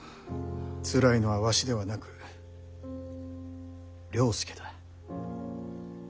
つらいのはわしではなく了助だ。